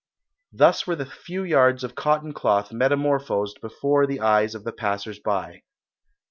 Thus were the few yards of cotton cloth metamorphosed before the eyes of the passers by.